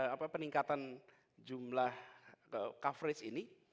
apa peningkatan jumlah coverage ini